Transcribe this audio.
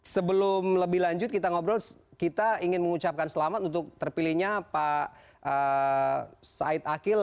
sebelum lebih lanjut kita ngobrol kita ingin mengucapkan selamat untuk terpilihnya pak said akil